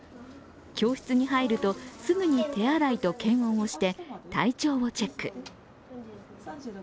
教室に入ると、すぐに手洗いと検温をして、体調をチェック。